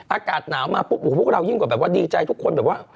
อากาศหนาวมาปุ๊บพวกเรายิ่งกว่าแบบว่าดีใจทุกคนแบบว่า